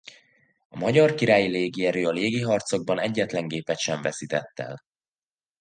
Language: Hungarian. A magyar királyi Légierő a légiharcokban egyetlen gépet sem veszített el.